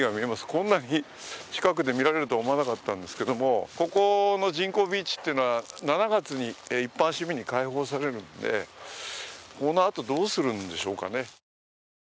こんなに近くで見られるとは思わなかったんですけれども、ここの人工ビーチってのは７月に一般市民に開放されるのでそのあと、どうするんでしょうかね。